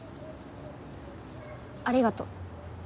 ありがとう。